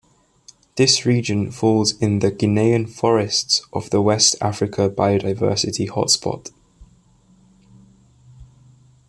This region falls in the Guinean Forests of the West Africa biodiversity hotspot.